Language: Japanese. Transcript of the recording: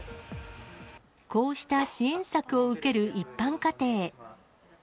こうした支援策を受ける一般家庭。